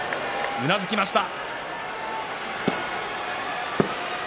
うなずきました。